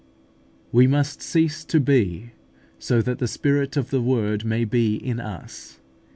We must cease to be, so that the Spirit of the Word may be in us.